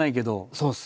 そうです。